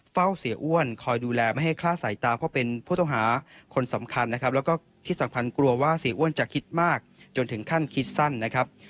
เฝ้าเสียอ้วนคอยดูแลไม่ให้คลาดสายตาเพราะเป็นผู้ต้องหาคนสำคัญนะครับแล้วก็ที่สำคัญกลัวว่าเสียอ้วนจะคิดมากจนถึงขั้นคิดสั้นนะครับ